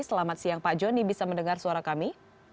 selamat siang pak joni bisa mendengar suara kami